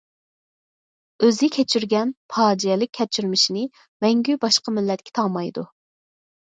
« ئۆزى كەچۈرگەن پاجىئەلىك كەچۈرمىشنى مەڭگۈ باشقا مىللەتكە تاڭمايدۇ».